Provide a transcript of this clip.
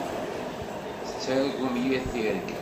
Tettargum yir tirga.